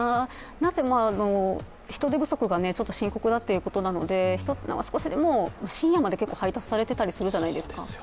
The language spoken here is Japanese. なんせ人手不足が深刻だということなので、深夜でも結構配達されてたりするじゃないですか。